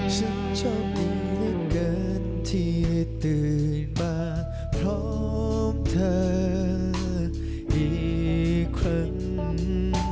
ฉันชอบนี้เหลือเกินที่ตื่นมาพร้อมเธออีกครั้ง